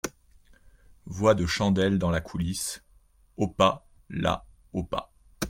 Voix de Chandel, dans la coulisse. — Au pas, là, au pas !